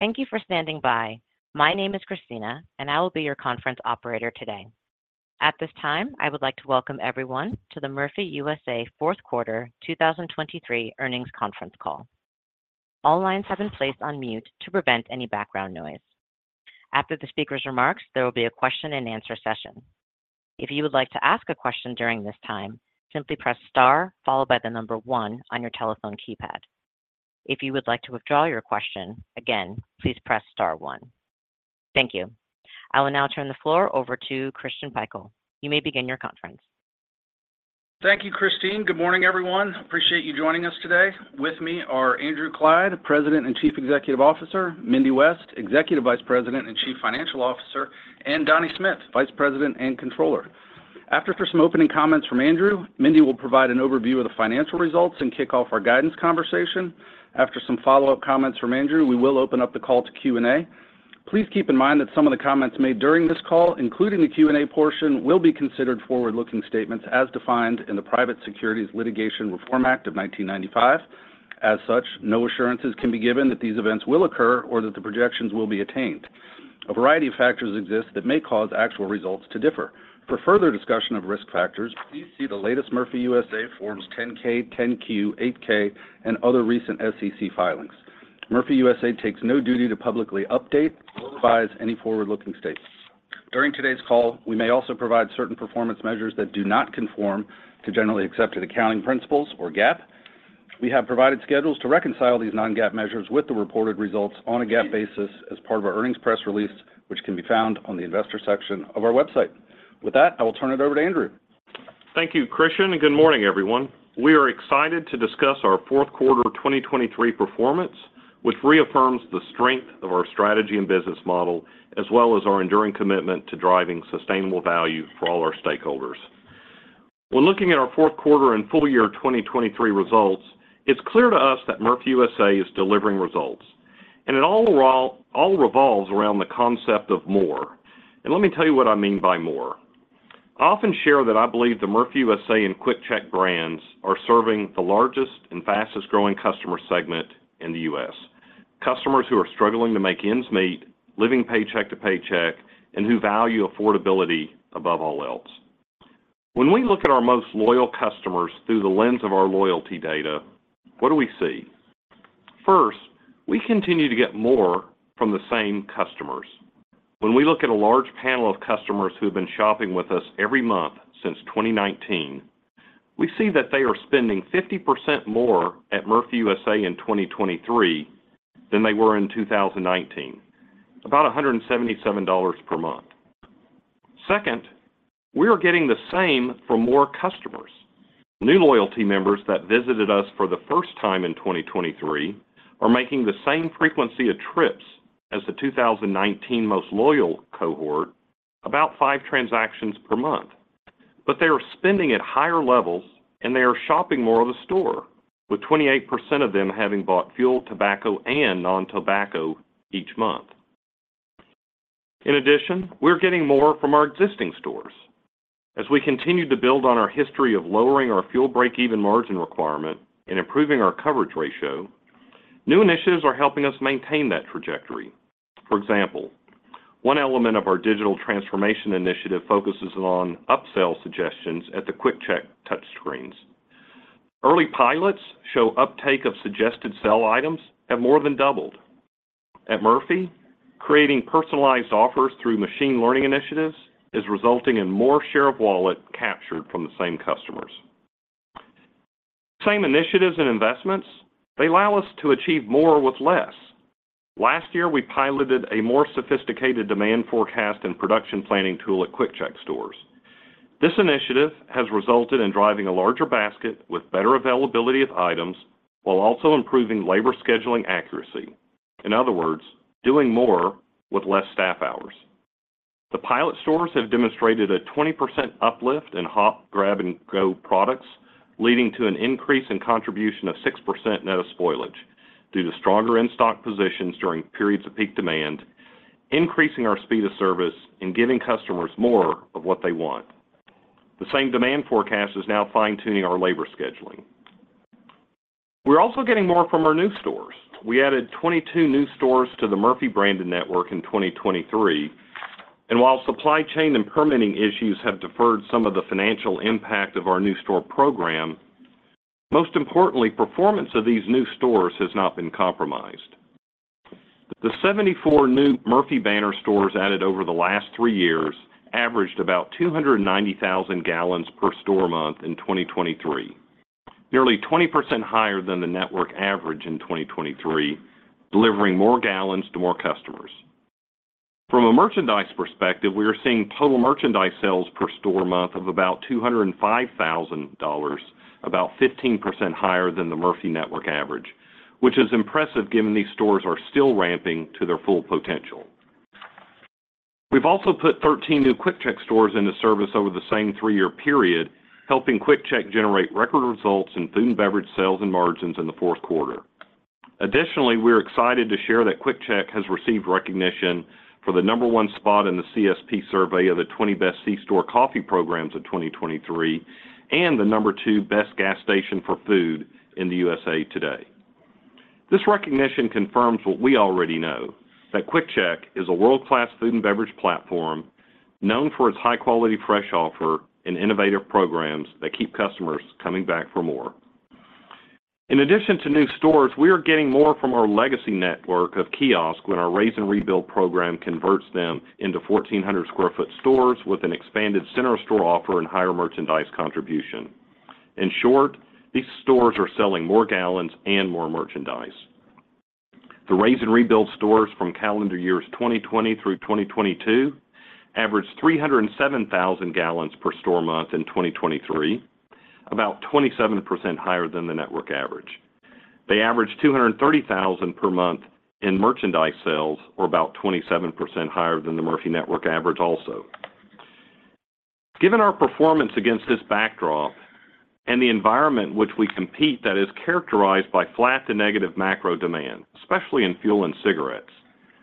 Thank you for standing by. My name is Christina, and I will be your conference operator today. At this time, I would like to welcome everyone to the Murphy USA Fourth Quarter 2023 Earnings Conference Call. All lines have been placed on mute to prevent any background noise. After the speaker's remarks, there will be a Q&A session. If you would like to ask a question during this time, press star followed by the number 1 on your telephone keypad. If you would like to withdraw your question, again, press star one. Thank you. I will now turn the floor over to Christian Pikul. You may begin your conference. Thank you, Christine. Good morning, everyone. Appreciate you joining us today. With me are Andrew Clyde, President and Chief Executive Officer, Mindy West, Executive Vice President and Chief Financial Officer, and Donnie Smith, Vice President and Controller. After some opening comments from Andrew, Mindy will provide an overview of the financial results and kick off our guidance conversation. After some follow-up comments from Andrew, we will open up the call to Q&A. Please keep in mind that some of the comments made during this call, including the Q&A portion, will be considered forward-looking statements as defined in the Private Securities Litigation Reform Act of 1995. As such, no assurances can be given that these events will occur or that the projections will be attained. A variety of factors exist that may cause actual results to differ. For further discussion of risk factors, please see the latest Murphy USA Form 10-K, 10-Q, 8-K, and other recent SEC filings. Murphy USA takes no duty to publicly update or revise any forward-looking statements. During today's call, we may also provide certain performance measures that do not conform to generally accepted accounting principles or GAAP. We have provided schedules to reconcile these non-GAAP measures with the reported results on a GAAP basis as part of our earnings press release, which can be found on the investor section of our website. With that, I will turn it over to Andrew. Thank you, Christian, and good morning, everyone. We are excited to discuss our fourth quarter 2023 performance, which reaffirms the strength of our strategy and business model, as well as our enduring commitment to driving sustainable value for all our stakeholders. When looking at our fourth quarter and full year 2023 results, it's clear to us that Murphy USA is delivering results, and it all revolves around the concept of more. And let me tell you what I mean by more. I often share that I believe the Murphy USA and QuickChek brands are serving the largest and fastest-growing customer segment in the U.S. Customers who are struggling to make ends meet, living paycheck to paycheck, and who value affordability above all else. When we look at our most loyal customers through the lens of our loyalty data, what do we see? First, we continue to get more from the same customers. When we look at a large panel of customers who have been shopping with us every month since 2019, we see that they are spending 50% more at Murphy USA in 2023 than they were in 2019, about $177 per month. Second, we are getting the same from more customers. New loyalty members that visited us for the first time in 2023 are making the same frequency of trips as the 2019 most loyal cohort, about five transactions per month. But they are spending at higher levels, and they are shopping more of the store, with 28% of them having bought fuel, tobacco, and non-tobacco each month. In addition, we're getting more from our existing stores. As we continue to build on our history of lowering our fuel break-even margin requirement and improving our coverage ratio, new initiatives are helping us maintain that trajectory. For example, one element of our digital transformation initiative focuses on upsell suggestions at the QuickChek touch screens. Early pilots show uptake of suggested sell items have more than doubled. At Murphy, creating personalized offers through machine learning initiatives is resulting in more share of wallet captured from the same customers. Same initiatives and investments, they allow us to achieve more with less. Last year, we piloted a more sophisticated demand forecast and production planning tool at QuickChek stores. This initiative has resulted in driving a larger basket with better availability of items, while also improving labor scheduling accuracy. In other words, doing more with less staff hours. The pilot stores have demonstrated a 20% uplift in hot grab-and-go products, leading to an increase in contribution of 6% net of spoilage due to stronger in-stock positions during periods of peak demand, increasing our speed of service, and giving customers more of what they want. The same demand forecast is now fine-tuning our labor scheduling. We're also getting more from our new stores. We added 22 new stores to the Murphy branded network in 2023, and while supply chain and permitting issues have deferred some of the financial impact of our new store program, most importantly, performance of these new stores has not been compromised. The 74 new Murphy banner stores added over the last three years averaged about 290,000 gallons per store month in 2023, nearly 20% higher than the network average in 2023, delivering more gallons to more customers. From a merchandise perspective, we are seeing total merchandise sales per store month of about $205,000, about 15% higher than the Murphy network average, which is impressive given these stores are still ramping to their full potential. We've also put 13 new QuickChek stores into service over the same three-year period, helping QuickChek generate record results in food and beverage sales and margins in the fourth quarter. Additionally, we're excited to share that QuickChek has received recognition for the number one spot in the CSP survey of the 20 Best C-Store Coffee programs of 2023, and the number two best gas station for food in the USA Today. This recognition confirms what we already know, that QuickChek is a world-class food and beverage platform known for its high-quality fresh offer and innovative programs that keep customers coming back for more. In addition to new stores, we are getting more from our legacy network of kiosk when our Raze and Rebuild program converts them into 1,400 sq ft stores with an expanded center store offer and higher merchandise contribution. In short, these stores are selling more gallons and more merchandise. The Raze and Rebuild stores from calendar years 2020 through 2022 averaged 307,000 gallons per store month in 2023, about 27% higher than the network average. They averaged $230,000 per month in merchandise sales, or about 27% higher than the Murphy network average also. Given our performance against this backdrop and the environment in which we compete that is characterized by flat to negative macro demand, especially in fuel and cigarettes,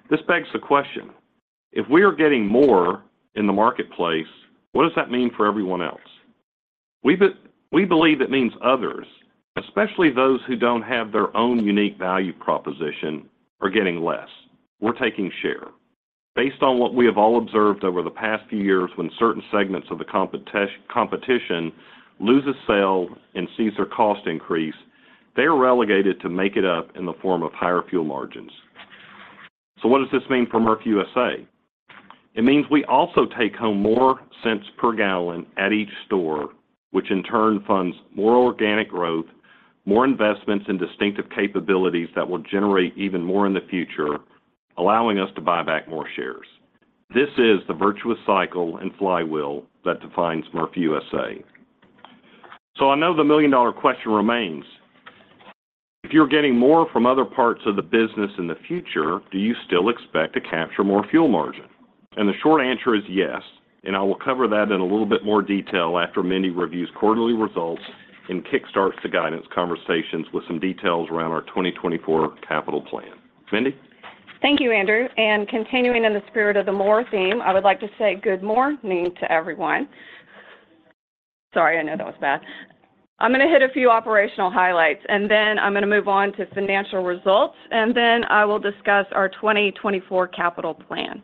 this begs the question: if we are getting more in the marketplace, what does that mean for everyone else? We believe it means others, especially those who don't have their own unique value proposition, are getting less. We're taking share. Based on what we have all observed over the past few years, when certain segments of the competition lose a sale and sees their cost increase, they are relegated to make it up in the form of higher fuel margins. So what does this mean for Murphy USA? It means we also take home more cents per gallon at each store, which in turn funds more organic growth, more investments in distinctive capabilities that will generate even more in the future, allowing us to buy back more shares. This is the virtuous cycle and flywheel that defines Murphy USA. So I know the million to dollar question remains: if you're getting more from other parts of the business in the future, do you still expect to capture more fuel margin? The short answer is yes, and I will cover that in a little bit more detail after Mindy reviews quarterly results and kickstarts the guidance conversations with some details around our 2024 capital plan. Mindy? Thank you, Andrew, and continuing in the spirit of the Murphy theme, I would like to say good morning to everyone. Sorry, I know that was bad. I'm gonna hit a few operational highlights, and then I'm gonna move on to financial results, and then I will discuss our 2024 capital plan.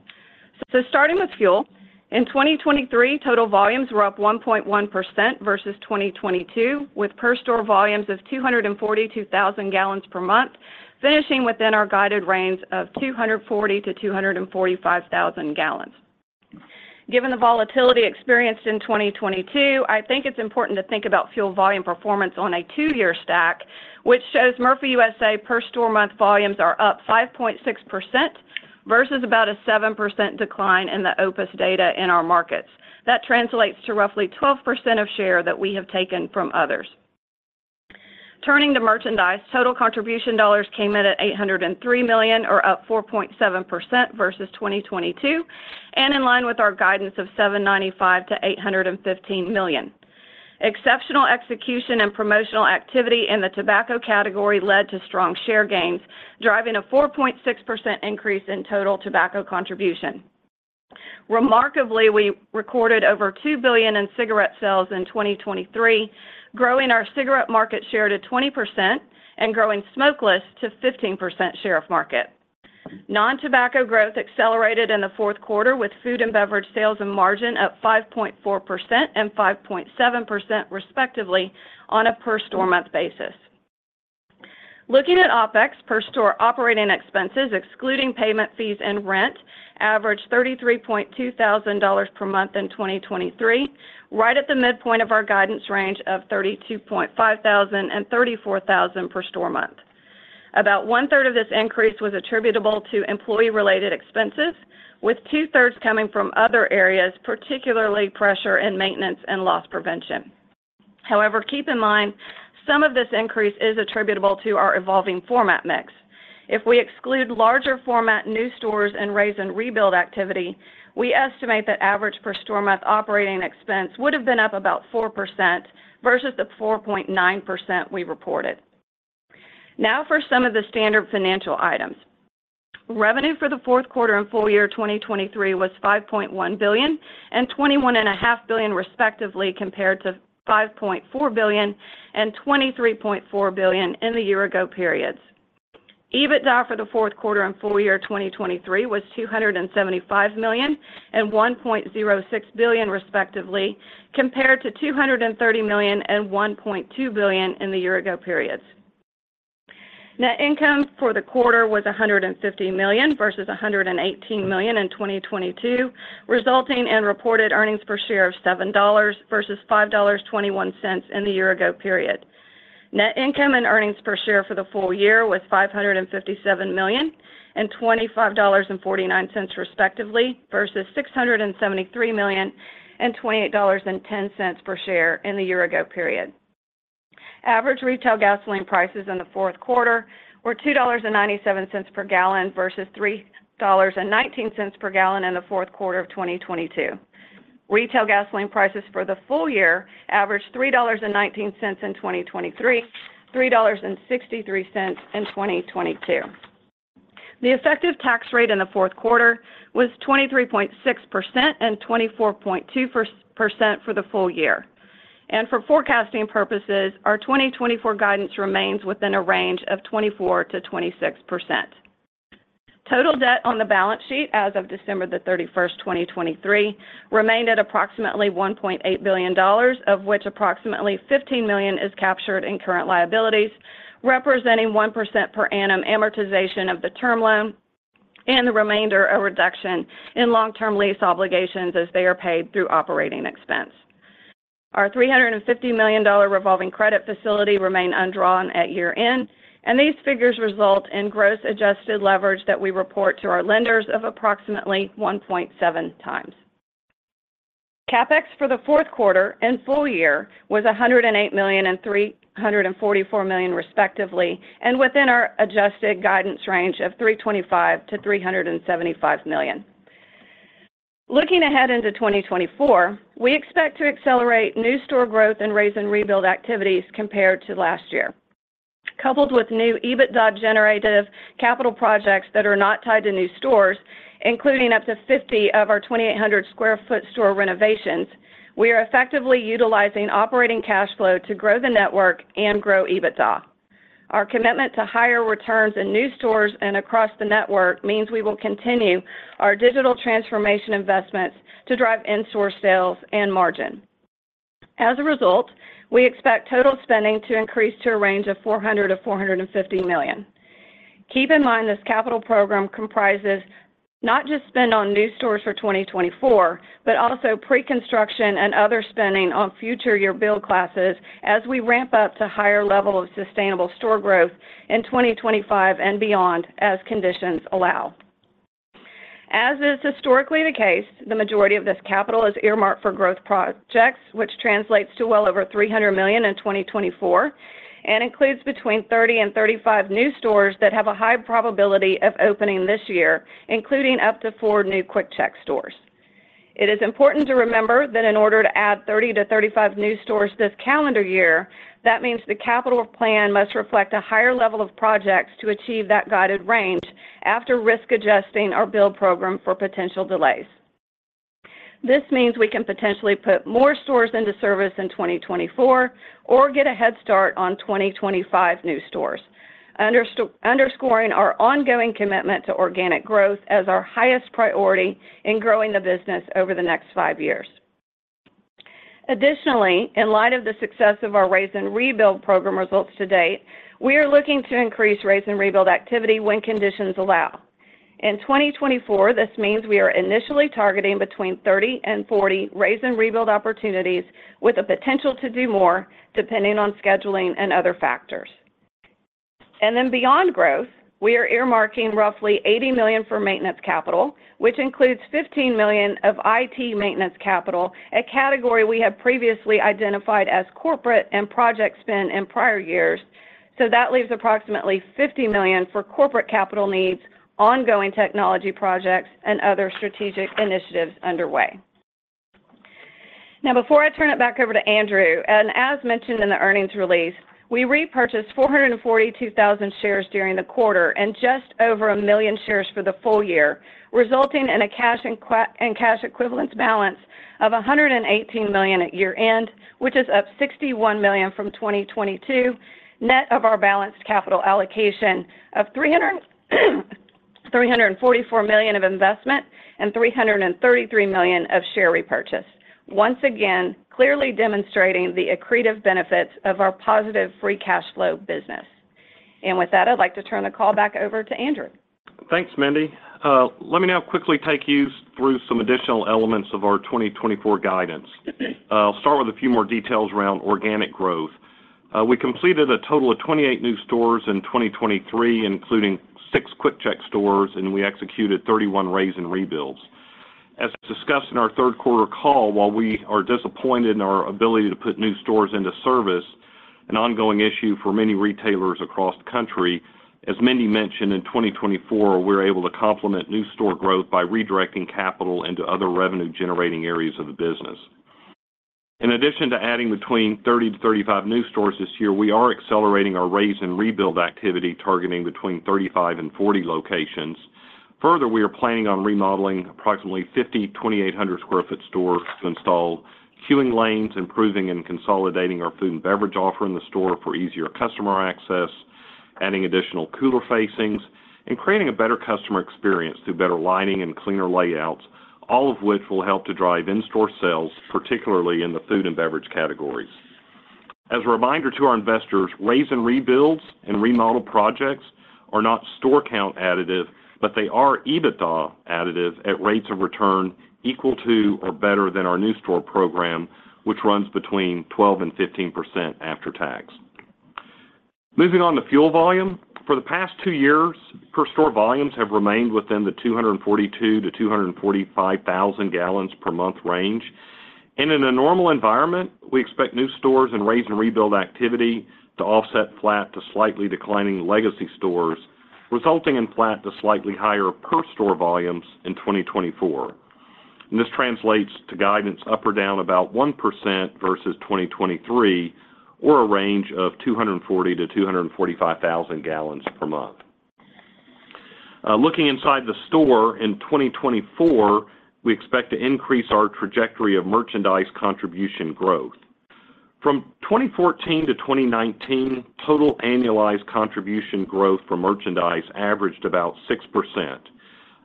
So starting with fuel, in 2023, total volumes were up 1.1% versus 2022, with per store volumes of 242,000 gallons per month, finishing within our guided range of 240,000-245,000 gallons. Given the volatility experienced in 2022, I think it's important to think about fuel volume performance on a two-year stack, which shows Murphy USA per store month volumes are up 5.6% versus about a 7% decline in the OPIS data in our markets. That translates to roughly 12% of share that we have taken from others. Turning to merchandise, total contribution dollars came in at $803 million or up 4.7% versus 2022, and in line with our guidance of $795 million to $815 million. Exceptional execution and promotional activity in the tobacco category led to strong share gains, driving a 4.6% increase in total tobacco contribution. Remarkably, we recorded over $2 billion in cigarette sales in 2023, growing our cigarette market share to 20% and growing smokeless to 15% share of market. Non-tobacco growth accelerated in the fourth quarter, with food and beverage sales and margin up 5.4% and 5.7% respectively on a per store month basis. Looking at OpEx, per store operating expenses, excluding payment fees and rent, averaged $33.2 thousand per month in 2023, right at the midpoint of our guidance range of $32.5 thousand-$34 thousand per store month. About one third of this increase was attributable to employee-related expenses, with two-thirds coming from other areas, particularly pump repair and maintenance and loss prevention. However, keep in mind, some of this increase is attributable to our evolving format mix. If we exclude larger format, new stores, and raze and rebuild activity, we estimate that average per store month operating expense would have been up about 4% versus the 4.9% we reported. Now for some of the standard financial items. Revenue for the fourth quarter and full year 2023 was $5.1 billion and $21.5 billion, respectively, compared to $5.4 billion and $23.4 billion in the year ago periods. EBITDA for the fourth quarter and full year 2023 was $275 million and $1.06 billion, respectively, compared to $230 million and $1.2 billion in the year ago periods. Net income for the quarter was $150 million versus $118 million in 2022, resulting in reported earnings per share of $7 versus $5.21 in the year ago period. Net income and earnings per share for the full year was $557 million and $25.49, respectively, versus $673 million and $28.10 per share in the year ago period. Average retail gasoline prices in the fourth quarter were $2.97 per gallon versus $3.19 per gallon in the fourth quarter of 2022. Retail gasoline prices for the full year averaged $3.19 in 2023, $3.63 in 2022. The effective tax rate in the fourth quarter was 23.6% and 24.2% for the full year. For forecasting purposes, our 2024 guidance remains within a range of 24%-26%. Total debt on the balance sheet as of December 31, 2023, remained at approximately $1.8 billion, of which approximately $15 million is captured in current liabilities, representing 1% per annum amortization of the term loan and the remainder, a reduction in long-term lease obligations as they are paid through operating expense. Our $350 million revolving credit facility remained undrawn at year-end, and these figures result in gross adjusted leverage that we report to our lenders of approximately 1.7 times. CapEx for the fourth quarter and full year was $108 million and $344 million, respectively, and within our adjusted guidance range of $325 million to $375 million. Looking ahead into 2024, we expect to accelerate new store growth and raze and rebuild activities compared to last year. Coupled with new EBITDA-generative capital projects that are not tied to new stores, including up to 50 of our 2,800 sq ft store renovations, we are effectively utilizing operating cash flow to grow the network and grow EBITDA. Our commitment to higher returns in new stores and across the network means we will continue our digital transformation investments to drive in-store sales and margin. As a result, we expect total spending to increase to a range of $400 million to $450 million. Keep in mind, this capital program comprises not just spend on new stores for 2024, but also pre-construction and other spending on future year build classes as we ramp up to higher levels of sustainable store growth in 2025 and beyond, as conditions allow. As is historically the case, the majority of this capital is earmarked for growth projects, which translates to well over $300 million in 2024 and includes between 30 and 35 new stores that have a high probability of opening this year, including up to 4 new QuickChek stores. It is important to remember that in order to add 30-35 new stores this calendar year, that means the capital plan must reflect a higher level of projects to achieve that guided range after risk adjusting our build program for potential delays. This means we can potentially put more stores into service in 2024 or get a head start on 2025 new stores, underscoring our ongoing commitment to organic growth as our highest priority in growing the business over the next 5 years. Additionally, in light of the success of our Raze and Rebuild program results to date, we are looking to increase Raze and Rebuild activity when conditions allow. In 2024, this means we are initially targeting between 30 and 40 Raze and Rebuild opportunities with the potential to do more, depending on scheduling and other factors. Then beyond growth, we are earmarking roughly $80 million for maintenance capital, which includes $15 million of IT maintenance capital, a category we have previously identified as corporate and project spend in prior years. That leaves approximately $50 million for corporate capital needs, ongoing technology projects, and other strategic initiatives underway. Now, before I turn it back over to Andrew, and as mentioned in the earnings release, we repurchased 442,000 shares during the quarter and just over 1 million shares for the full year, resulting in a cash and cash equivalents balance of $118 million at year-end, which is up $61 million from 2022, net of our balanced capital allocation of $344 million of investment and $333 million of share repurchase. Once again, clearly demonstrating the accretive benefits of our positive free cash flow business. And with that, I'd like to turn the call back over to Andrew. Thanks, Mindy. Let me now quickly take you through some additional elements of our 2024 guidance. I'll start with a few more details around organic growth. We completed a total of 28 new stores in 2023, including six QuickChek stores, and we executed 31 raze and rebuilds. As discussed in our third quarter call, while we are disappointed in our ability to put new stores into service, an ongoing issue for many retailers across the country, as Mindy mentioned, in 2024, we're able to complement new store growth by redirecting capital into other revenue-generating areas of the business. In addition to adding between 30-35 new stores this year, we are accelerating our raze and rebuild activity, targeting between 35-40 locations. Further, we are planning on remodeling approximately 50 2,800 sq ft stores to install queuing lanes, improving and consolidating our food and beverage offer in the store for easier customer access, adding additional cooler facings, and creating a better customer experience through better lighting and cleaner layouts, all of which will help to drive in-store sales, particularly in the food and beverage categories. As a reminder to our investors, Raze and Rebuilds and remodel projects are not store count additive, but they are EBITDA additive at rates of return equal to or better than our new store program, which runs between 12% and 15% after tax. Moving on to fuel volume. For the past two years, per store volumes have remained within the 242-245 thousand gallons per month range. In a normal environment, we expect new stores and Raze and Rebuild activity to offset flat to slightly declining legacy stores, resulting in flat to slightly higher per store volumes in 2024. And this translates to guidance up or down about 1% versus 2023, or a range of 240-245 thousand gallons per month. Looking inside the store in 2024, we expect to increase our trajectory of merchandise contribution growth. From 2014 to 2019, total annualized contribution growth for merchandise averaged about 6%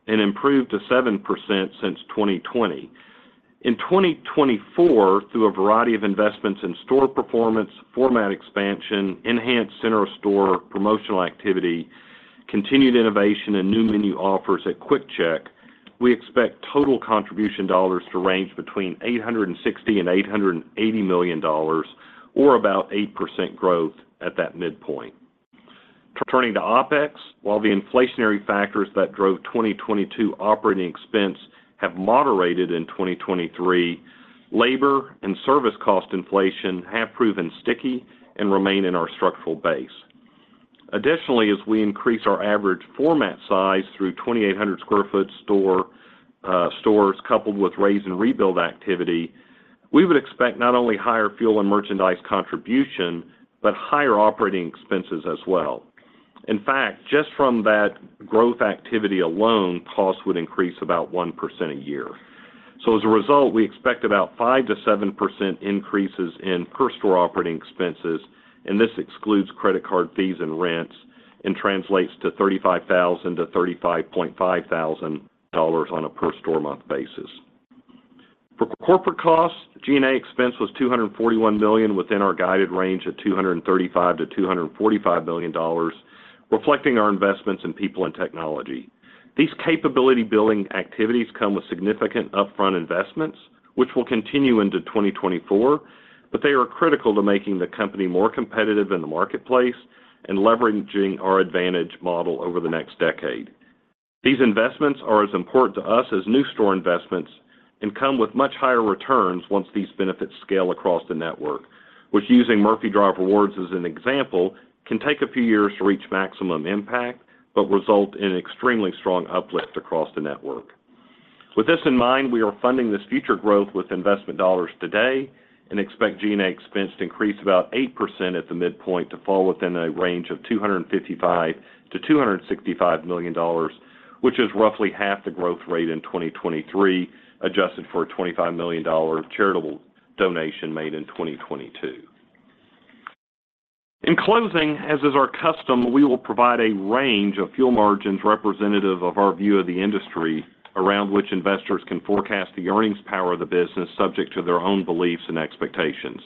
and improved to 7% since 2020. In 2024, through a variety of investments in store performance, format expansion, enhanced center-of-store promotional activity, continued innovation, and new menu offers at QuickChek, we expect total contribution dollars to range between $860 million and $880 million, or about 8% growth at that midpoint. Turning to OpEx, while the inflationary factors that drove 2022 operating expense have moderated in 2023, labor and service cost inflation have proven sticky and remain in our structural base. Additionally, as we increase our average format size through 2,800 sq ft stores, coupled with raze and rebuild activity, we would expect not only higher fuel and merchandise contribution, but higher operating expenses as well. In fact, just from that growth activity alone, costs would increase about 1% a year. So as a result, we expect about 5%-7% increases in per store operating expenses, and this excludes credit card fees and rents and translates to $35,000-$35,500 on a per store month basis. For corporate costs, G&A expense was $241 million within our guided range of $235 billion-$245 billion, reflecting our investments in people and technology. These capability-building activities come with significant upfront investments, which will continue into 2024, but they are critical to making the company more competitive in the marketplace and leveraging our advantage model over the next decade. These investments are as important to us as new store investments and come with much higher returns once these benefits scale across the network, which, using Murphy Drive Rewards as an example, can take a few years to reach maximum impact, but result in extremely strong uplift across the network. With this in mind, we are funding this future growth with investment dollars today and expect G&A expense to increase about 8% at the midpoint to fall within a range of $255 million to $265 million, which is roughly half the growth rate in 2023, adjusted for a $25 million charitable donation made in 2022. In closing, as is our custom, we will provide a range of fuel margins representative of our view of the industry around which investors can forecast the earnings power of the business, subject to their own beliefs and expectations.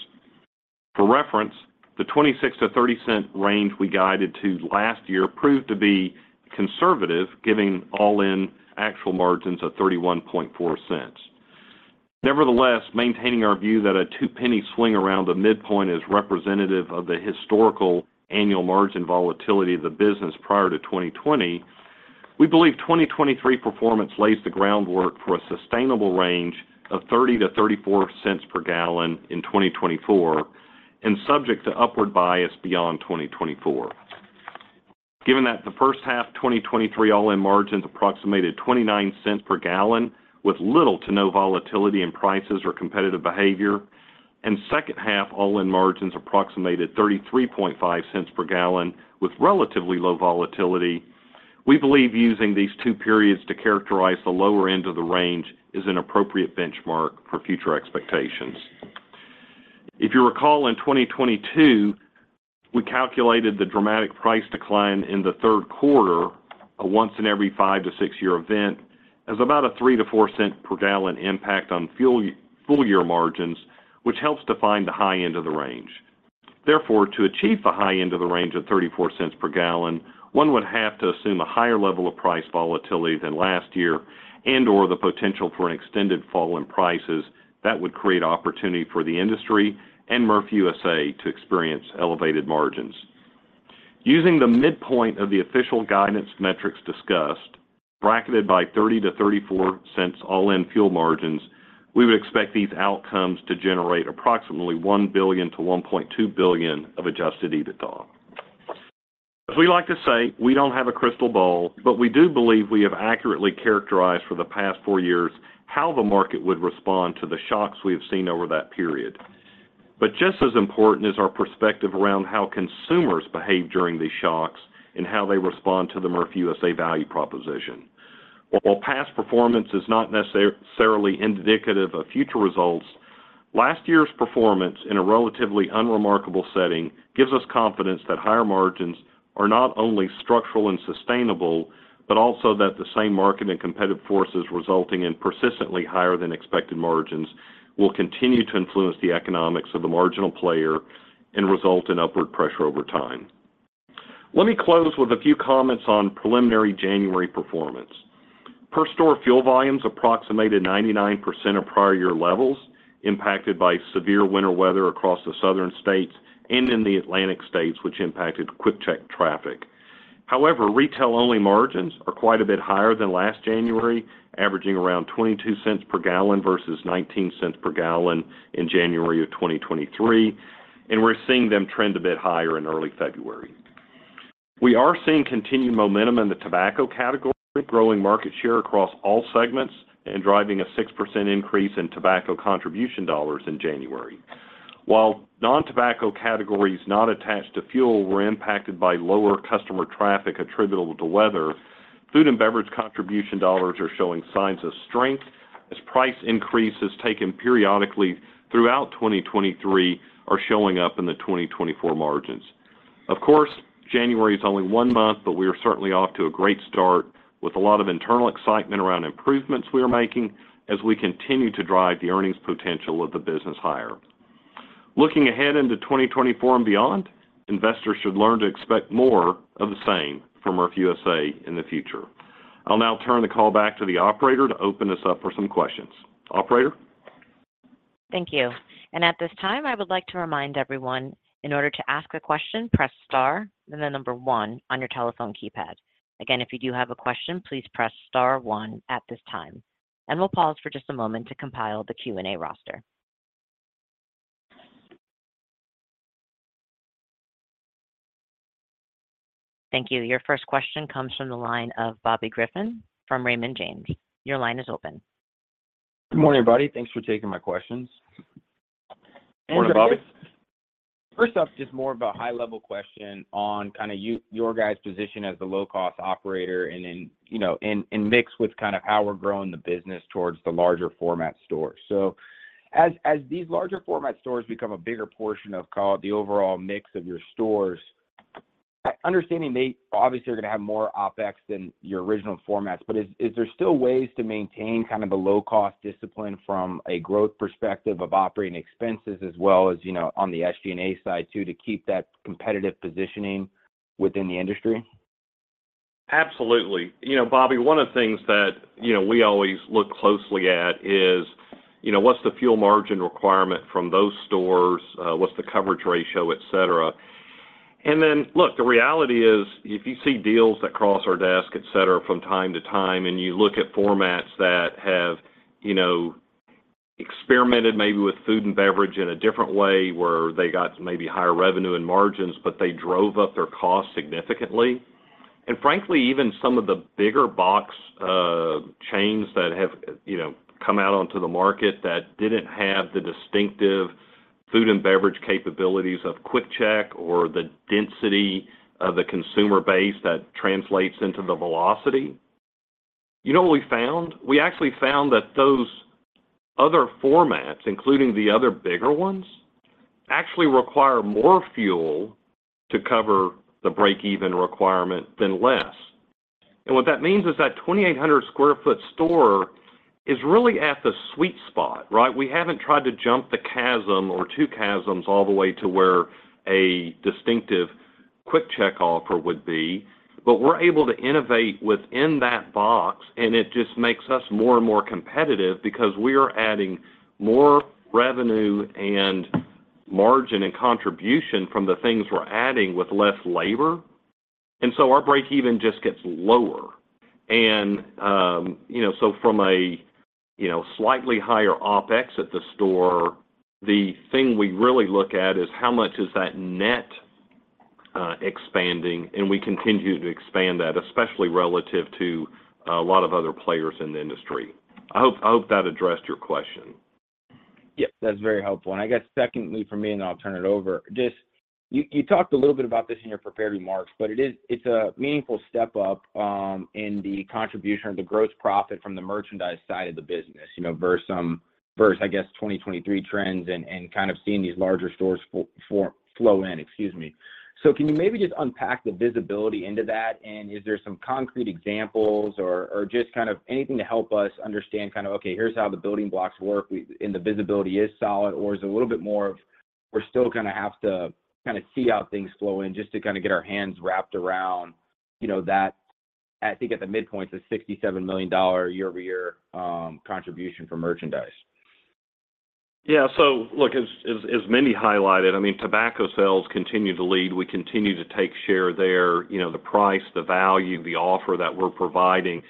For reference, the $0.26-$0.30 range we guided to last year proved to be conservative, giving all-in actual margins of $0.314. Nevertheless, maintaining our view that a two-penny swing around the midpoint is representative of the historical annual margin volatility of the business prior to 2020, we believe 2023 performance lays the groundwork for a sustainable range of $0.30-$0.34 per gallon in 2024 and subject to upward bias beyond 2024. Given that the first half of 2023 all-in margins approximated $0.29 per gallon, with little to no volatility in prices or competitive behavior, and second half all-in margins approximated $0.335 per gallon with relatively low volatility, we believe using these two periods to characterize the lower end of the range is an appropriate benchmark for future expectations. If you recall, in 2022, we calculated the dramatic price decline in the third quarter, a once in every five to six year event, as about a $0.03-$0.04 per gallon impact on fuel full year margins, which helps define the high end of the range. Therefore, to achieve the high end of the range of $0.34 per gallon, one would have to assume a higher level of price volatility than last year and/or the potential for an extended fall in prices that would create opportunity for the industry and Murphy USA to experience elevated margins. Using the midpoint of the official guidance metrics discussed, bracketed by $0.30-$0.34 all-in fuel margins, we would expect these outcomes to generate approximately $1 billion-$1.2 billion of adjusted EBITDA. As we like to say, we don't have a crystal ball, but we do believe we have accurately characterized for the past four years how the market would respond to the shocks we have seen over that period. But just as important is our perspective around how consumers behave during these shocks and how they respond to the Murphy USA value proposition. While past performance is not necessarily indicative of future results, last year's performance in a relatively unremarkable setting gives us confidence that higher margins are not only structural and sustainable, but also that the same market and competitive forces resulting in persistently higher than expected margins will continue to influence the economics of the marginal player and result in upward pressure over time. Let me close with a few comments on preliminary January performance. Per store fuel volumes approximated 99% of prior year levels, impacted by severe winter weather across the southern states and in the Atlantic states, which impacted QuickChek traffic. However, retail-only margins are quite a bit higher than last January, averaging around $0.22 per gallon versus $0.19 per gallon in January 2023, and we're seeing them trend a bit higher in early February.... We are seeing continued momentum in the tobacco category, growing market share across all segments and driving a 6% increase in tobacco contribution dollars in January. While non-tobacco categories not attached to fuel were impacted by lower customer traffic attributable to weather, food and beverage contribution dollars are showing signs of strength as price increases taken periodically throughout 2023 are showing up in the 2024 margins. Of course, January is only one month, but we are certainly off to a great start with a lot of internal excitement around improvements we are making as we continue to drive the earnings potential of the business higher. Looking ahead into 2024 and beyond, investors should learn to expect more of the same from Murphy USA in the future. I'll now turn the call back to the operator to open this up for some questions. Operator? Thank you. At this time, I would like to remind everyone, in order to ask a press star and the number One on your telephone keypad. Again, if you do have a question, press star one at this time, and we'll pause for just a moment to compile the Q&A roster. Thank you. Your first question comes from the line of Bobby Griffin from Raymond James. Your line is open. Good morning, everybody. Thanks for taking my questions. Good morning, Bobby. First up, just more of a high-level question on kind of your guys' position as the low-cost operator and then, you know, and mixed with kind of how we're growing the business towards the larger format stores. So as these larger format stores become a bigger portion of, call it, the overall mix of your stores, understanding they obviously are going to have more OpEx than your original formats, but is there still ways to maintain kind of a low-cost discipline from a growth perspective of operating expenses as well as, you know, on the SG&A side, too, to keep that competitive positioning within the industry? Absolutely. You know, Bobby, one of the things that, you know, we always look closely at is, you know, what's the fuel margin requirement from those stores? What's the coverage ratio, et cetera. And then, look, the reality is, if you see deals that cross our desk, et cetera, from time to time, and you look at formats that have, you know, experimented maybe with food and beverage in a different way, where they got maybe higher revenue and margins, but they drove up their costs significantly. And frankly, even some of the bigger box chains that have, you know, come out onto the market that didn't have the distinctive food and beverage capabilities of QuickChek or the density of the consumer base that translates into the velocity. You know what we found? We actually found that those other formats, including the other bigger ones, actually require more fuel to cover the break-even requirement than less. And what that means is that 2,800 sq ft store is really at the sweet spot, right? We haven't tried to jump the chasm or two chasms all the way to where a distinctive QuickChek offer would be, but we're able to innovate within that box, and it just makes us more and more competitive because we are adding more revenue and margin and contribution from the things we're adding with less labor, and so our break-even just gets lower. You know, so from a, you know, slightly higher OpEx at the store, the thing we really look at is how much is that net expanding, and we continue to expand that, especially relative to a lot of other players in the industry. I hope, I hope that addressed your question. Yep, that's very helpful. And I guess secondly, for me, and I'll turn it over, just. You talked a little bit about this in your prepared remarks, but it's a meaningful step up in the contribution or the gross profit from the merchandise side of the business, you know, versus, I guess, 2023 trends and kind of seeing these larger stores flow in. Excuse me. So can you maybe just unpack the visibility into that, and is there some concrete examples or, or just kind of anything to help us understand kind of, okay, here's how the building blocks work, we and the visibility is solid, or is it a little bit more of, we're still gonna have to kind of see how things flow in just to kind of get our hands wrapped around, you know, that, I think, at the midpoint, the $67 million year-over-year contribution for merchandise? Yeah. So look, as Mindy highlighted, I mean, tobacco sales continue to lead. We continue to take share there. You know, the price, the value, the offer that we're providing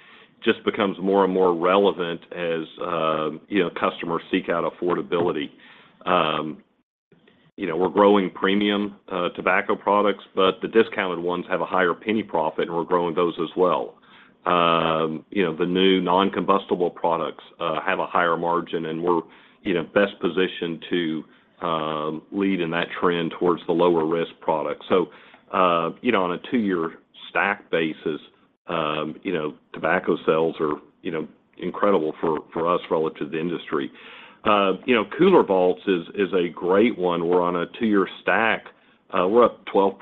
just becomes more and more relevant as, you know, customers seek out affordability. You know, we're growing premium, tobacco products, but the discounted ones have a higher penny profit, and we're growing those as well. You know, the new non-combustible products, have a higher margin, and we're, you know, best positioned to, lead in that trend towards the lower-risk products. So, you know, on a two-year stack basis, you know, tobacco sales are, you know, incredible for us relative to the industry. You know, cooler vaults is a great one. We're on a two-year stack, we're up 12%,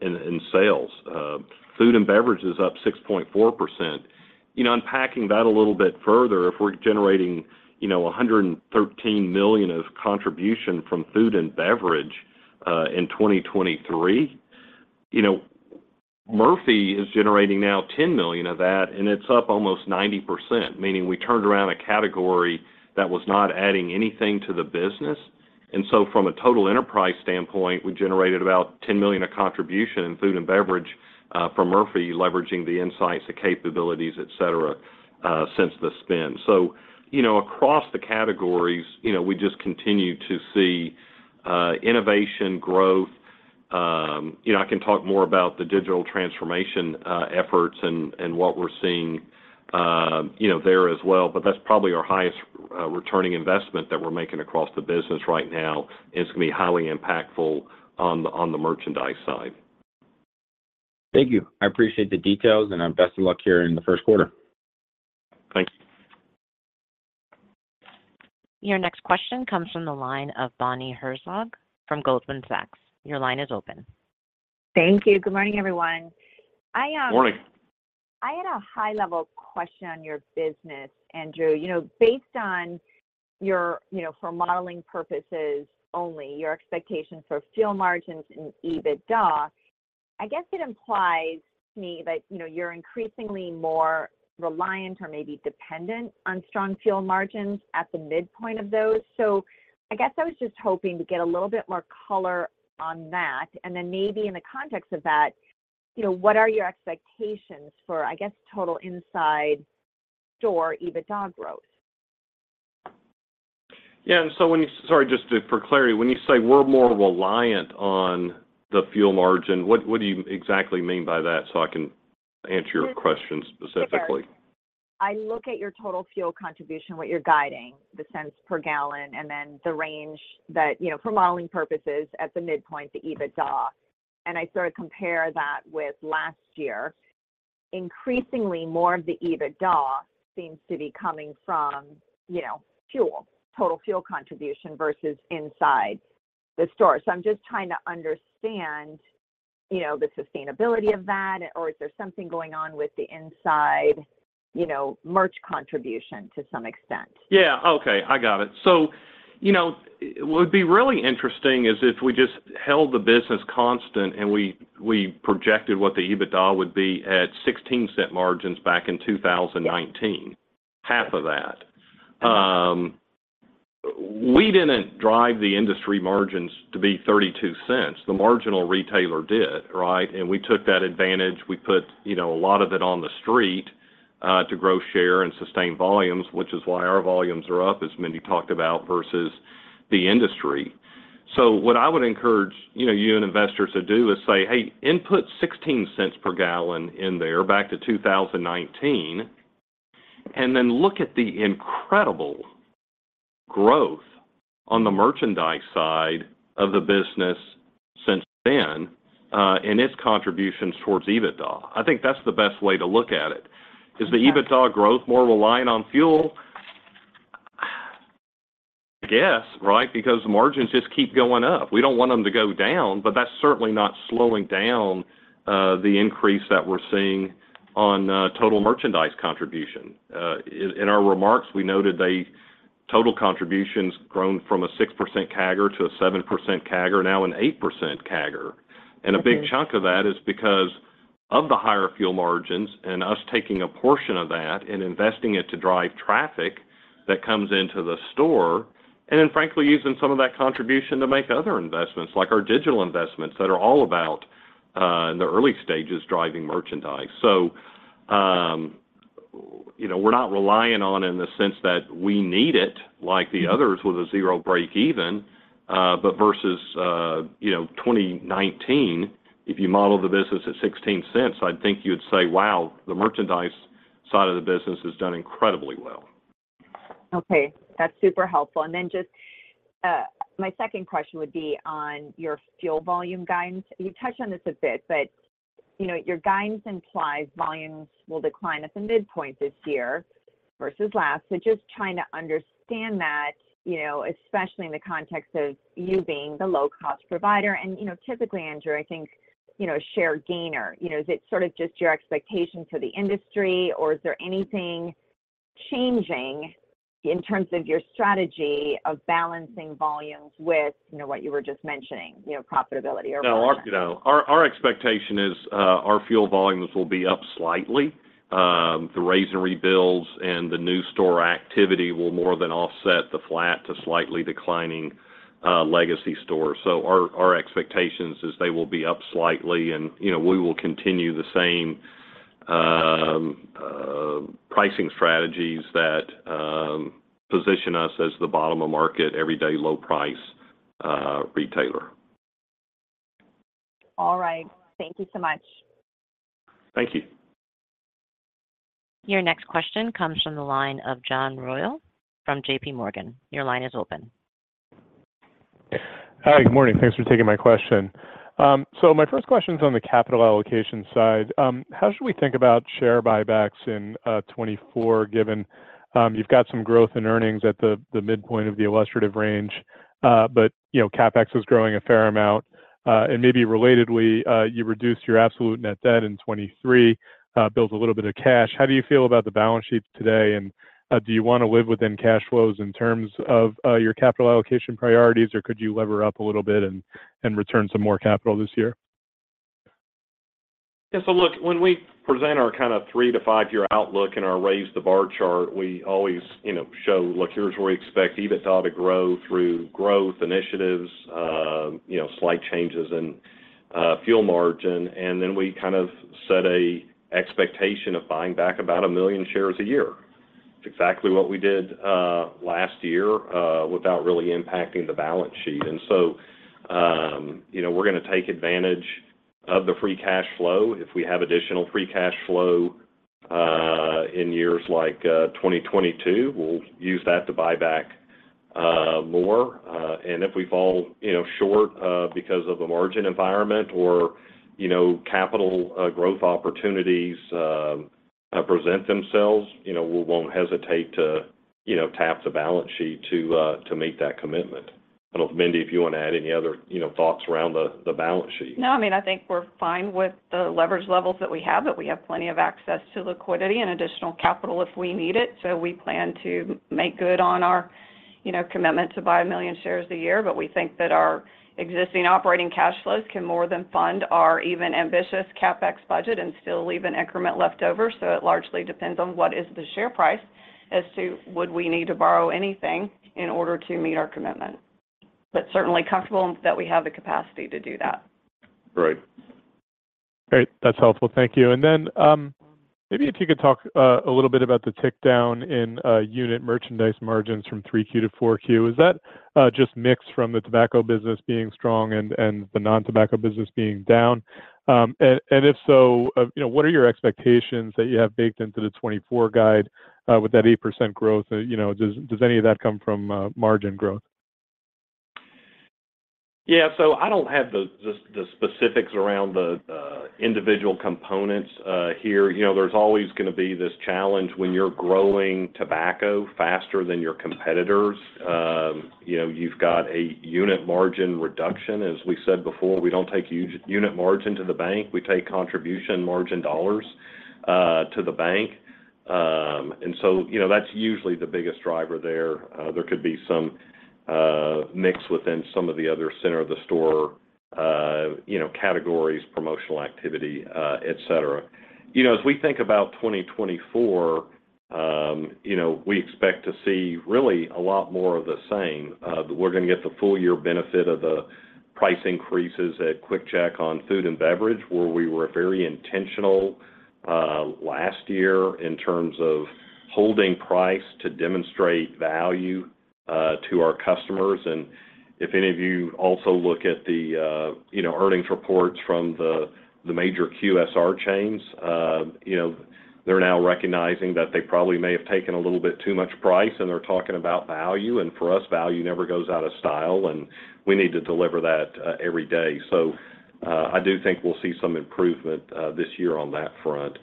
in sales. Food and beverage is up 6.4%. You know, unpacking that a little bit further, if we're generating, you know, $113 million of contribution from food and beverage in 2023, you know, Murphy is generating now $10 million of that, and it's up almost 90%, meaning we turned around a category that was not adding anything to the business. And so from a total enterprise standpoint, we generated about $10 million of contribution in food and beverage from Murphy, leveraging the insights, the capabilities, et cetera, et cetera, since the spin. So, you know, across the categories, you know, we just continue to see innovation, growth. You know, I can talk more about the digital transformation efforts and what we're seeing, you know, there as well, but that's probably our highest returning investment that we're making across the business right now, and it's gonna be highly impactful on the merchandise side. Thank you. I appreciate the details, and best of luck here in the first quarter. Thank you. Your next question comes from the line of Bonnie Herzog from Goldman Sachs. Your line is open. Thank you. Good morning, everyone. I Morning. I had a high-level question on your business, Andrew. You know, based on your, you know, for modeling purposes only, your expectations for fuel margins and EBITDA, I guess it implies to me that, you know, you're increasingly more reliant or maybe dependent on strong fuel margins at the midpoint of those. So I guess I was just hoping to get a little bit more color on that, and then maybe in the context of that, you know, what are your expectations for, I guess, total inside store EBITDA growth? Yeah, and so when you sorry, just to, for clarity, when you say we're more reliant on the fuel margin, what do you exactly mean by that, so I can answer your question specifically? I look at your total fuel contribution, what you're guiding, the cents per gallon, and then the range that, you know, for modeling purposes, at the midpoint, the EBITDA, and I sort of compare that with last year. Increasingly, more of the EBITDA seems to be coming from, you know, fuel, total fuel contribution versus inside the store. So I'm just trying to understand, you know, the sustainability of that, or is there something going on with the inside, you know, merch contribution to some extent? Yeah. Okay, I got it. So, you know, what would be really interesting is if we just held the business constant and we projected what the EBITDA would be at $0.16 margins back in 2019, half of that. We didn't drive the industry margins to be $0.32. The marginal retailer did, right? And we took that advantage. We put, you know, a lot of it on the street, to grow share and sustain volumes, which is why our volumes are up, as Mindy talked about, versus the industry. So what I would encourage, you know, you and investors to do is say, "Hey, input $0.16 per gallon in there back to 2019, and then look at the incredible growth on the merchandise side of the business since then, and its contributions towards EBITDA." I think that's the best way to look at it. Okay. Is the EBITDA growth more reliant on fuel? I guess, right, because the margins just keep going up. We don't want them to go down, but that's certainly not slowing down the increase that we're seeing on total merchandise contribution. In our remarks, we noted a total contribution's grown from a 6% CAGR to a 7% CAGR, now an 8% CAGR. Okay. And a big chunk of that is because of the higher fuel margins and us taking a portion of that and investing it to drive traffic that comes into the store, and then, frankly, using some of that contribution to make other investments, like our digital investments, that are all about, in the early stages, driving merchandise. So, you know, we're not relying on in the sense that we need it, like the others with a zero breakeven, but versus, you know, 2019, if you model the business at $0.16, I'd think you'd say, "Wow, the merchandise side of the business has done incredibly well. Okay, that's super helpful. And then just, my second question would be on your fuel volume guidance. You touched on this a bit, but, you know, your guidance implies volumes will decline at the midpoint this year versus last. So just trying to understand that, you know, especially in the context of you being the low-cost provider, and, you know, typically, Andrew, I think, you know, a share gainer. You know, is it sort of just your expectation for the industry, or is there anything changing in terms of your strategy of balancing volumes with, you know, what you were just mentioning, you know, profitability or margin? No, you know, our expectation is our fuel volumes will be up slightly. The Raze and Rebuilds and the new store activity will more than offset the flat to slightly declining legacy stores. So our expectations is they will be up slightly, and, you know, we will continue the same pricing strategies that position us as the bottom of market, everyday low price retailer. All right. Thank you so much. Thank you. Your next question comes from the line of John Royal from JPMorgan. Your line is open. Hi, good morning. Thanks for taking my question. So my first question is on the capital allocation side. How should we think about share buybacks in 2024, given you've got some growth in earnings at the midpoint of the illustrative range, but you know, CapEx was growing a fair amount? And maybe relatedly, you reduced your absolute net debt in 2023, built a little bit of cash. How do you feel about the balance sheet today, and do you wanna live within cash flows in terms of your capital allocation priorities, or could you lever up a little bit and return some more capital this year? Yeah, so look, when we present our kind of three to five year outlook in our raise-the-bar chart, we always, you know, show, look, here's where we expect EBITDA to grow through growth initiatives, you know, slight changes in fuel margin, and then we kind of set an expectation of buying back about 1 million shares a year. Exactly what we did last year without really impacting the balance sheet. And so, you know, we're gonna take advantage of the free cash flow. If we have additional free cash flow in years like 2022, we'll use that to buy back more. And if we fall, you know, short because of the margin environment or, you know, capital growth opportunities present themselves, you know, we won't hesitate to, you know, tap the balance sheet to meet that commitment. I don't know, Mindy, if you wanna add any other, you know, thoughts around the balance sheet? No, I mean, I think we're fine with the leverage levels that we have, that we have plenty of access to liquidity and additional capital if we need it. So we plan to make good on our, you know, commitment to buy 1 million shares a year. But we think that our existing operating cash flows can more than fund our even ambitious CapEx budget and still leave an increment left over. So it largely depends on what is the share price as to would we need to borrow anything in order to meet our commitment. But certainly comfortable that we have the capacity to do that. Right. Great, that's helpful. Thank you. And then, maybe if you could talk a little bit about the tick down in unit merchandise margins from 3Q to 4Q. Is that just mix from the tobacco business being strong and the non-tobacco business being down? And if so, you know, what are your expectations that you have baked into the 2024 guide with that 8% growth? You know, does any of that come from margin growth? Yeah, so I don't have the specifics around the individual components here. You know, there's always gonna be this challenge when you're growing tobacco faster than your competitors. You know, you've got a unit margin reduction. As we said before, we don't take unit margin to the bank, we take contribution margin dollars to the bank. And so, you know, that's usually the biggest driver there. There could be some mix within some of the other center-of-the-store, you know, categories, promotional activity, et cetera. You know, as we think about 2024, you know, we expect to see really a lot more of the same. We're gonna get the full year benefit of the price increases at QuickChek on food and beverage, where we were very intentional, last year in terms of holding price to demonstrate value, to our customers. And if any of you also look at the, you know, earnings reports from the major QSR chains, you know, they're now recognizing that they probably may have taken a little bit too much price, and they're talking about value. And for us, value never goes out of style, and we need to deliver that, every day. So, I do think we'll see some improvement, this year on that front.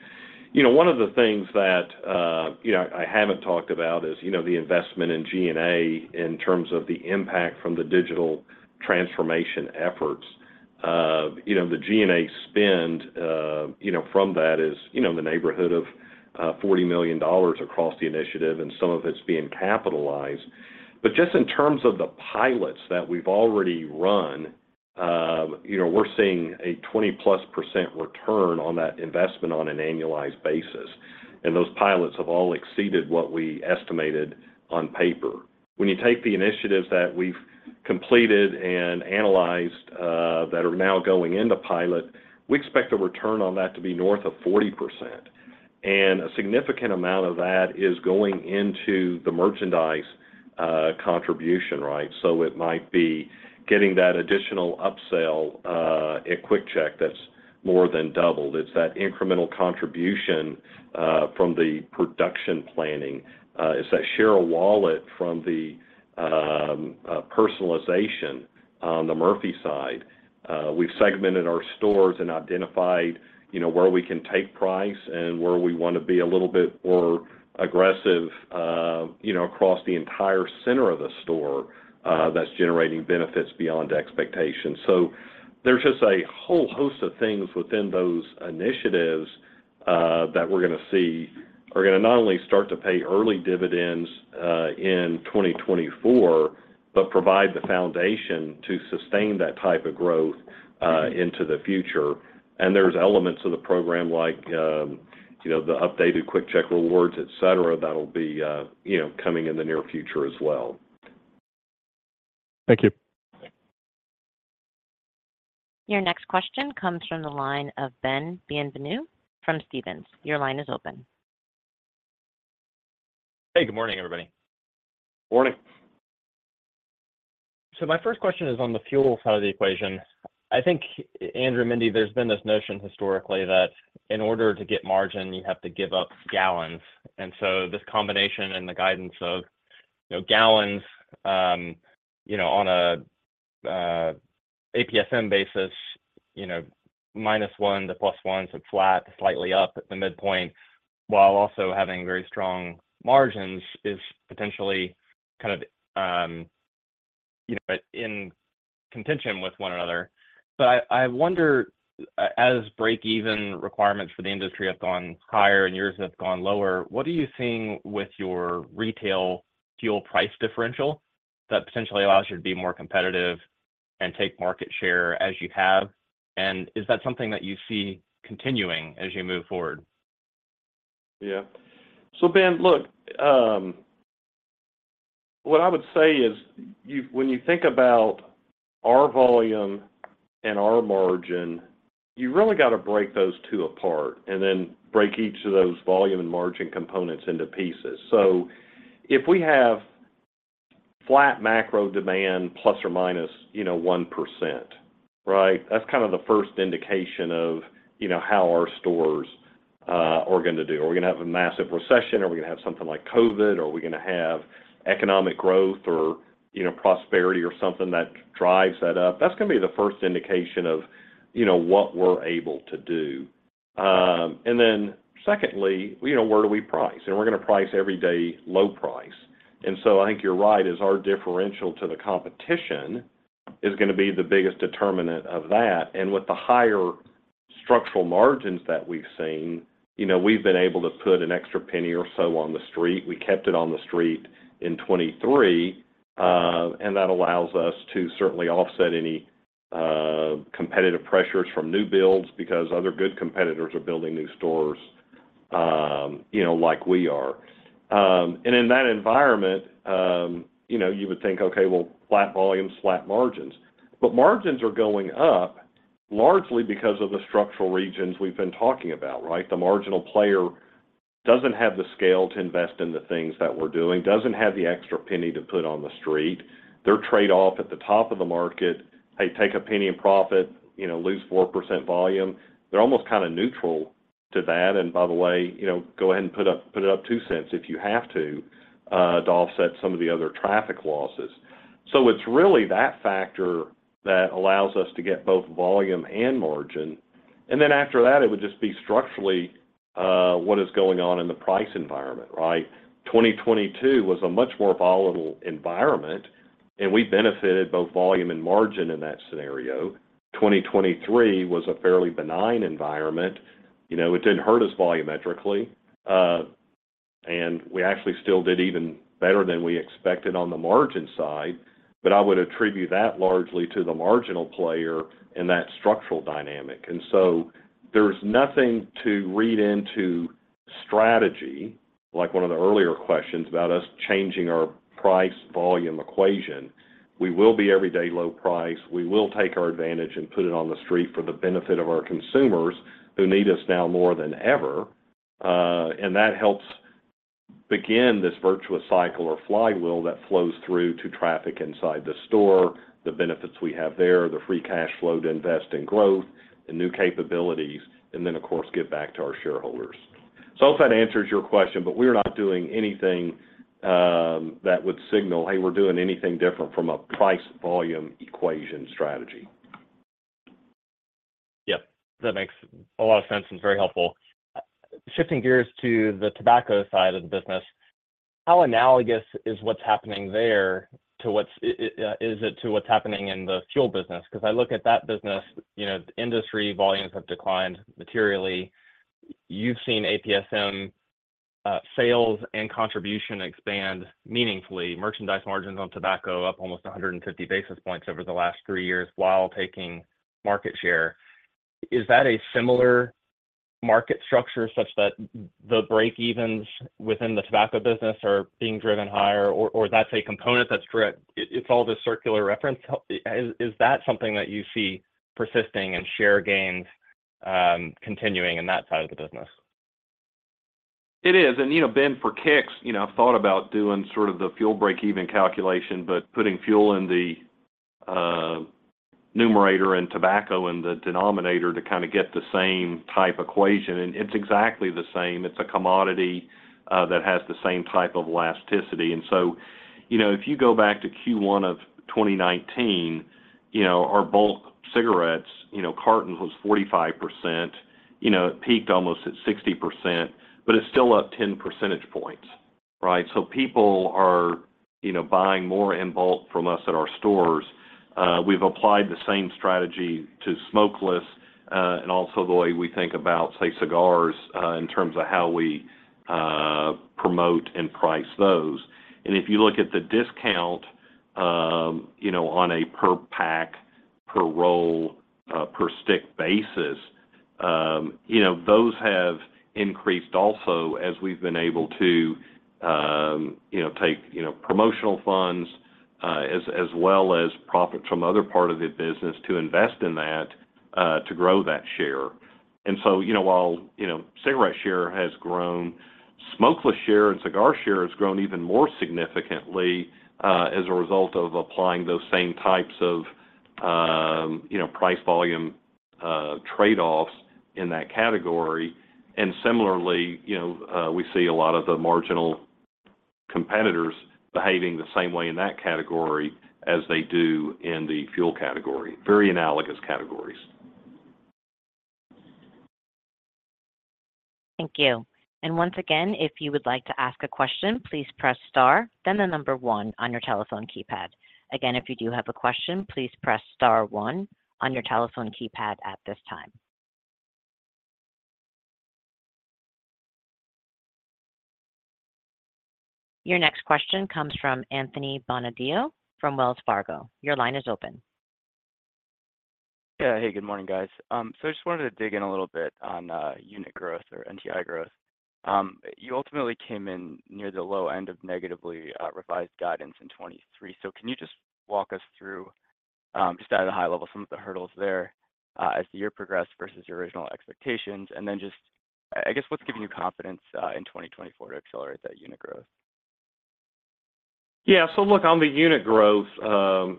You know, one of the things that, you know, I haven't talked about is, you know, the investment in G&A in terms of the impact from the digital transformation efforts. You know, the G&A spend, you know, from that is, you know, in the neighborhood of $40 million across the initiative, and some of it's being capitalized. But just in terms of the pilots that we've already run, you know, we're seeing a 20%+ return on that investment on an annualized basis, and those pilots have all exceeded what we estimated on paper. When you take the initiatives that we've completed and analyzed, that are now going into pilot, we expect the return on that to be north of 40%, and a significant amount of that is going into the merchandise contribution, right? So it might be getting that additional upsell at QuickChek that's more than doubled. It's that incremental contribution from the production planning. It's that share of wallet from the personalization. On the Murphy side, we've segmented our stores and identified, you know, where we can take price and where we want to be a little bit more aggressive, you know, across the entire center of the store, that's generating benefits beyond expectations. So there's just a whole host of things within those initiatives, that we're gonna see are gonna not only start to pay early dividends, in 2024, but provide the foundation to sustain that type of growth, into the future. And there's elements of the program like, you know, the updated QuickChek Rewards, et cetera, that'll be, you know, coming in the near future as well. Thank you. Your next question comes from the line of Ben Bienvenu from Stephens. Your line is open. Hey, good morning, everybody. Morning. So my first question is on the fuel side of the equation. I think, Andrew, Mindy, there's been this notion historically that in order to get margin, you have to give up gallons. And so this combination and the guidance of, you know, gallons, you know, on a APSM basis, you know, -1 to +1, so flat, slightly up at the midpoint, while also having very strong margins, is potentially kind of, you know, in contention with one another. But I wonder, as break-even requirements for the industry have gone higher and yours have gone lower, what are you seeing with your retail fuel price differential that potentially allows you to be more competitive and take market share as you have? And is that something that you see continuing as you move forward? Yeah. So Ben, look, what I would say is, you, when you think about our volume and our margin, you really got to break those two apart and then break each of those volume and margin components into pieces. So if we have flat macro demand ±1%, right? That's kind of the first indication of, you know, how our stores are gonna do. Are we gonna have a massive recession? Are we gonna have something like COVID? Are we gonna have economic growth or, you know, prosperity or something that drives that up? That's gonna be the first indication of, you know, what we're able to do. And then secondly, you know, where do we price? And we're gonna price everyday low price. And so I think you're right, is our differential to the competition is gonna be the biggest determinant of that. And with the higher structural margins that we've seen, you know, we've been able to put an extra penny or so on the street. We kept it on the street in 2023, and that allows us to certainly offset any competitive pressures from new builds because other good competitors are building new stores, you know, like we are. And in that environment, you know, you would think, "Okay, well, flat volume, flat margins." But margins are going up largely because of the structural reasons we've been talking about, right? The marginal player doesn't have the scale to invest in the things that we're doing, doesn't have the extra penny to put on the street. Their trade-off at the top of the market, they take $0.01 in profit, you know, lose 4% volume. They're almost kind of neutral to that, and by the way, you know, go ahead and put up, put it up $0.02 if you have to, to offset some of the other traffic losses. So it's really that factor that allows us to get both volume and margin, and then after that, it would just be structurally, what is going on in the price environment, right? 2022 was a much more volatile environment, and we benefited both volume and margin in that scenario. 2023 was a fairly benign environment. You know, it didn't hurt us volumetrically, and we actually still did even better than we expected on the margin side, but I would attribute that largely to the marginal player and that structural dynamic. And so there's nothing to read into strategy, like one of the earlier questions about us changing our price volume equation. We will be everyday low price. We will take our advantage and put it on the street for the benefit of our consumers who need us now more than ever. And that helps begin this virtuous cycle or flywheel that flows through to traffic inside the store, the benefits we have there, the free cash flow to invest in growth and new capabilities, and then, of course, give back to our shareholders. So I hope that answers your question, but we're not doing anything that would signal, "Hey, we're doing anything different from a price volume equation strategy. Yep, that makes a lot of sense and very helpful. Shifting gears to the tobacco side of the business, how analogous is what's happening there to what's happening in the fuel business? Because I look at that business, you know, industry volumes have declined materially. You've seen APSM sales and contribution expand meaningfully. Merchandise margins on tobacco up almost 150 basis points over the last three years while taking market share. Is that a similar market structure such that the breakevens within the tobacco business are being driven higher, or, or that's a component that's correct? It's all this circular reference. Is, is that something that you see persisting and share gains continuing in that side of the business? It is, and, you know, Ben, for kicks, you know, I've thought about doing sort of the fuel break-even calculation, but putting fuel in the, numerator and tobacco in the denominator to kind of get the same type equation, and it's exactly the same. It's a commodity that has the same type of elasticity. And so, you know, if you go back to Q1 of 2019, you know, our bulk cigarettes, you know, carton was 45%. You know, it peaked almost at 60%, but it's still up 10 percentage points, right? So people are, you know, buying more in bulk from us at our stores. We've applied the same strategy to smokeless, and also the way we think about, say, cigars, in terms of how we promote and price those. And if you look at the discount, you know, on a per pack, per roll, per stick basis, you know, those have increased also as we've been able to, you know, take, you know, promotional funds, as well as profits from other part of the business to invest in that, to grow that share. And so, you know, while, you know, cigarette share has grown, smokeless share and cigar share has grown even more significantly, as a result of applying those same types of, you know, price-volume, trade-offs in that category. And similarly, you know, we see a lot of the marginal competitors behaving the same way in that category as they do in the fuel category. Very analogous categories. Thank you. And once again, if you would like to ask a question, press star, then the number one on your telephone keypad. Again, if you do have a question, press star one on your telephone keypad at this time. Your next question comes from Anthony Bonadio from Wells Fargo. Your line is open. Yeah. Hey, good morning, guys. So I just wanted to dig in a little bit on unit growth or NTI growth. You ultimately came in near the low end of negatively revised guidance in 2023. So can you just walk us through just at a high level, some of the hurdles there as the year progressed versus your original expectations? And then just, I guess, what's giving you confidence in 2024 to accelerate that unit growth? Yeah. So look, on the unit growth,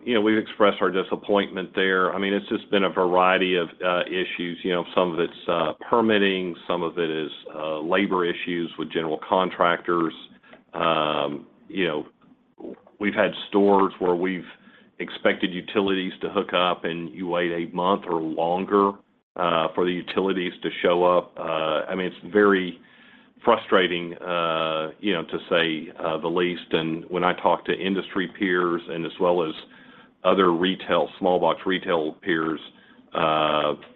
you know, we've expressed our disappointment there. I mean, it's just been a variety of issues. You know, some of it's permitting, some of it is labor issues with general contractors. You know, we've had stores where we've expected utilities to hook up, and you wait a month or longer for the utilities to show up. I mean, it's very frustrating, you know, to say the least. And when I talk to industry peers and as well as other retail small box retail peers,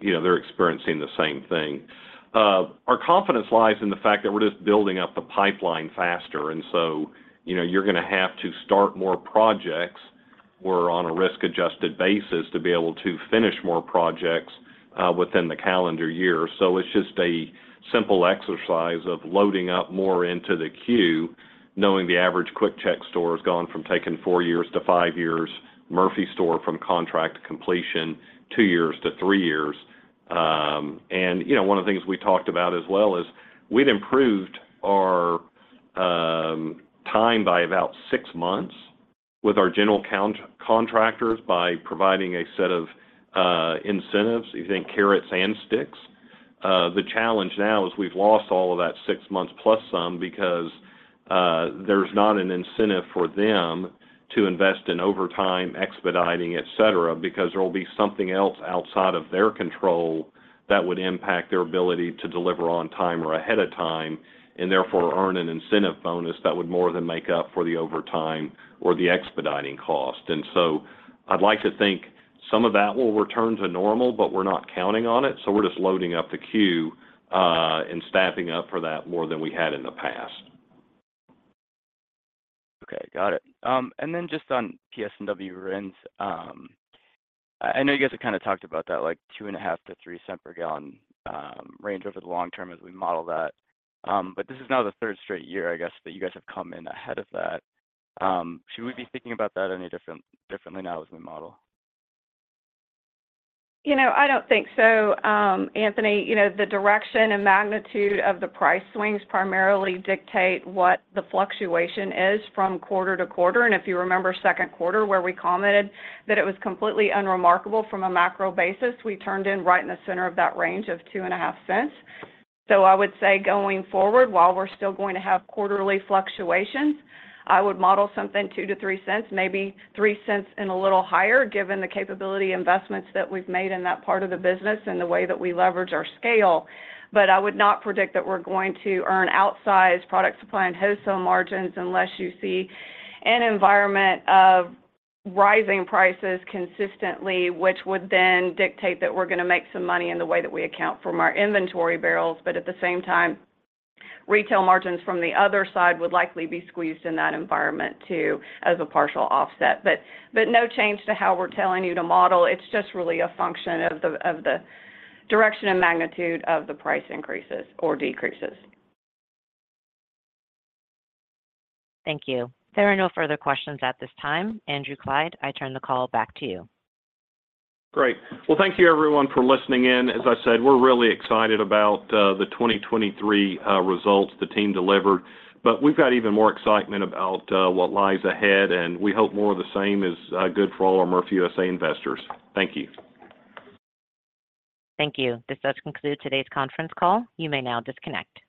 you know, they're experiencing the same thing. Our confidence lies in the fact that we're just building up the pipeline faster, and so, you know, you're gonna have to start more projects. We're on a risk-adjusted basis to be able to finish more projects within the calendar year. So it's just a simple exercise of loading up more into the queue, knowing the average QuickChek store has gone from taking four years to five years, Murphy store from contract to completion, two years to three years. And, you know, one of the things we talked about as well is we've improved our time by about six months with our general contractors by providing a set of incentives. You think carrots and sticks. The challenge now is we've lost all of that six months plus some because there's not an incentive for them to invest in overtime, expediting, et cetera, because there will be something else outside of their control that would impact their ability to deliver on time or ahead of time, and therefore earn an incentive bonus that would more than make up for the overtime or the expediting cost. And so I'd like to think some of that will return to normal, but we're not counting on it, so we're just loading up the queue and staffing up for that more than we had in the past. Okay, got it. And then just on PS&W rents, I know you guys have kind of talked about that, like $0.025-$0.03 per gallon range over the long term as we model that. But this is now the third straight year, I guess, that you guys have come in ahead of that. Should we be thinking about that any differently now as we model? You know, I don't think so, Anthony. You know, the direction and magnitude of the price swings primarily dictate what the fluctuation is from quarter to quarter. And if you remember second quarter, where we commented that it was completely unremarkable from a macro basis, we turned in right in the center of that range of $0.025. So I would say going forward, while we're still going to have quarterly fluctuations, I would model something $0.02-$0.03, maybe $0.03 and a little higher, given the capability investments that we've made in that part of the business and the way that we leverage our scale. But I would not predict that we're going to earn outsized product supply and wholesale margins unless you see an environment of rising prices consistently, which would then dictate that we're gonna make some money in the way that we account from our inventory barrels. But at the same time, retail margins from the other side would likely be squeezed in that environment too, as a partial offset. But no change to how we're telling you to model. It's just really a function of the direction and magnitude of the price increases or decreases. Thank you. There are no further questions at this time. Andrew Clyde, I turn the call back to you. Great. Well, thank you everyone for listening in. As I said, we're really excited about the 2023 results the team delivered, but we've got even more excitement about what lies ahead, and we hope more of the same is good for all our Murphy USA investors. Thank you. Thank you. This does conclude today's conference call. You may now disconnect.